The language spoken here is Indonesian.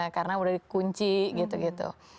karena udah dikunci gitu gitu